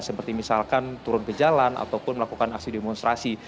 seperti misalkan turun ke jalan ataupun melakukan aksi demonstrasi